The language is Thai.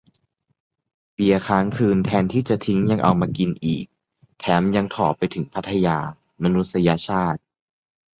เบียร์ค้างคืน แทนที่จะทิ้ง ยังเอามากินอีก แถมยังต้องถ่อไปถึงพัทยา มนุษยชาติ